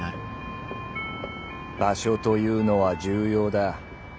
「場所」というのは重要だ。